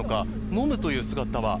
飲むという姿が。